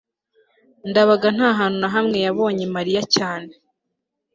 ndabaga nta hantu na hamwe yabonye mariya cyane